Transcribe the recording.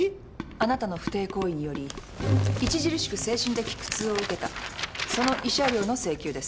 あなたの不貞行為により著しく精神的苦痛を受けたその慰謝料の請求です。